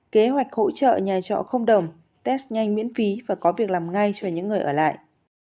kế hoạch hỗ trợ nhà trọ không đồng test nhanh miễn phí và có việc làm ngay cho những người ở lại